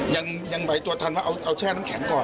ยังไหวตัวทันว่าเอาแช่น้ำแข็งก่อน